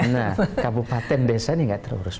nah kabupaten desa ini nggak terurus